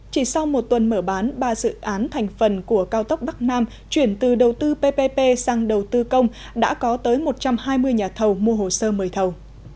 chỉ sau một tuần mở bán ba dự án thành phần của cao tốc bắc nam chuyển từ đầu tư ppp sang đầu tư công đã có tới một trăm hai mươi nhà thầu mua hồ sơ mời thầu